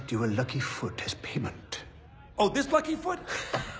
ハハハ！